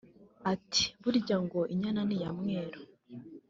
Ati “Burya ngo inyana ni iya mweru